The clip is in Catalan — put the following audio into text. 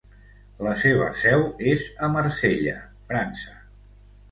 La seva seu és a Marsella, França.